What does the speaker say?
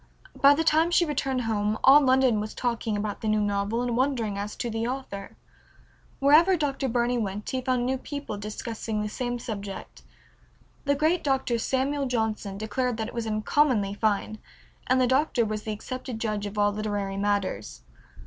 By the time she returned home all London was talking about the new novel and wondering as to the author. Wherever Dr. Burney went he found people discussing the same subject. The great Dr. Samuel Johnson declared that it was uncommonly fine, and the Doctor was the accepted judge of all literary matters.